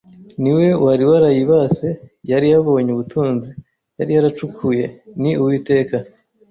ni we wari warayibase; yari yabonye ubutunzi; yari yaracukuye (ni Uwiteka